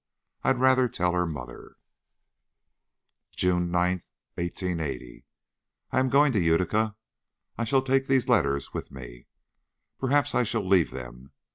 I'd rather tell her mother." "JUNE 9TH, 1880. I am going to Utica. I shall take these letters with me. Perhaps I shall leave them.